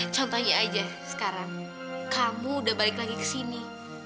contohnya aja sekarang kamu udah balik lagi ke sini